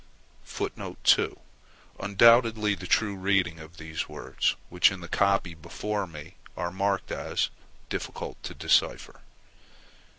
] [Footnote 2: Undoubtedly the true reading of these last words, which in the copy before me are marked as "difficult to decipher."